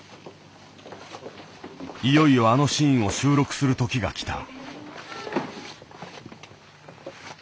いよいよあのシーンを収録する時が来た。